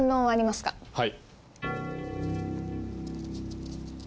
はい。